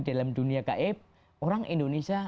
dalam dunia gaib orang indonesia